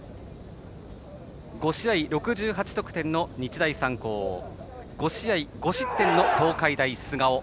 ５試合６８得点の日大三高５試合５失点の東海大菅生。